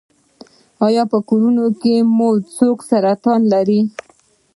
ایا په کورنۍ کې مو څوک سرطان لري؟